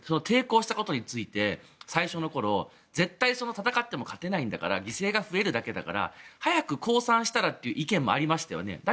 抵抗したことについて、最初の頃絶対に戦っても勝てないんだから犠牲が増えるだけだから早く降参したらという意見もありましたよね。